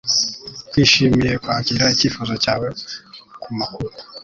Twishimiye kwakira icyifuzo cyawe kumakuru